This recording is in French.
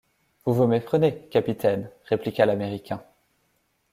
Vous vous méprenez, capitaine, répliqua l’Américain.